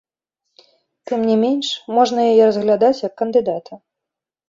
Тым не менш, можна яе разглядаць, як кандыдата.